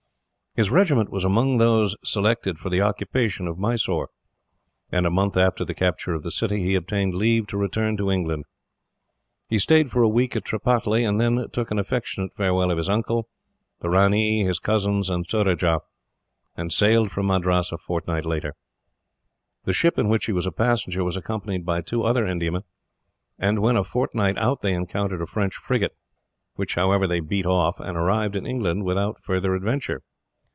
His regiment was among those selected for the occupation of Mysore, and, a month after the capture of the city, he obtained leave to return to England. He stayed for a week at Tripataly, and then took an affectionate farewell of his uncle, the ranee, his cousins, and Surajah, and sailed from Madras a fortnight later. The ship in which he was a passenger was accompanied by two other Indiamen; and when, a fortnight out they encountered a French frigate; which, however, they beat off, and arrived in England without further adventure.